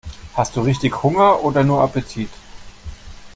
Hast du richtig Hunger oder nur Appetit?